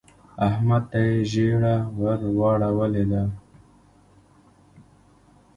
احمد ته يې ژیړه ور واړولې ده.